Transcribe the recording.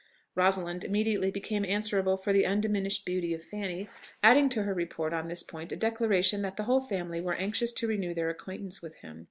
Rosalind immediately became answerable for the undiminished beauty of Fanny, adding to her report on this point a declaration that the whole family were anxious to renew their acquaintance with him.